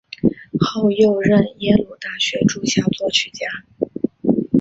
后又任耶鲁大学驻校作曲家。